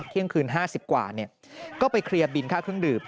เที่ยงคืน๕๐กว่าก็ไปเคลียร์บินค่าเครื่องดื่ม